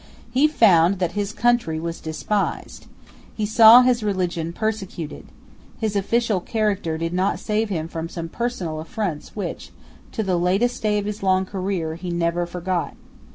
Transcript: He found that his country was despised. He saw his religion persecuted. His official character did not save him from some personal affronts which, to the latest day of his long career, he never forgot.